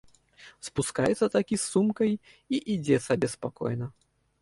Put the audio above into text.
Спускаецца такі, з сумкай, і ідзе сабе спакойна.